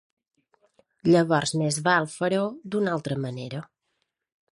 Llavors més val fer-ho d'una altra manera.